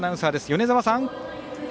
米澤さん。